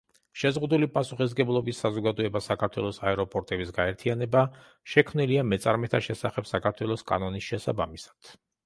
შეზღუდული პასუხისმგებლობის საზოგადოება „საქართველოს აეროპორტების გაერთიანება“ შექმნილია „მეწარმეთა შესახებ“ საქართველოს კანონის შესაბამისად.